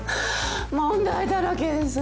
問題だらけです。